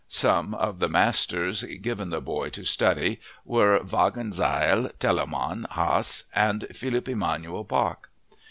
Some of the masters given the boy to study were Wagenseil, Telemann, Hasse, and Philipp Emanuel Bach.